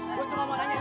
lu nyukir kemana